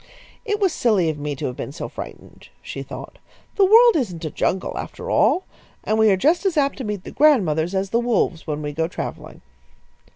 "It was silly of me to have been so frightened," she thought. "The world isn't a jungle, after all, and we are just as apt to meet the grandmothers as the wolves when we go travelling."